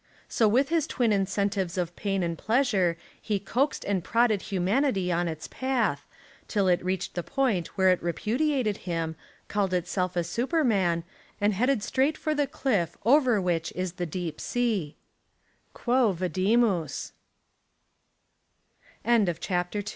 So with his twin incentives of pain and plea sure he coaxed and prodded humanity on its path, till it reached the point where it repudi ated him, called itself a Superman, and headed straight for the cliff over which is the deep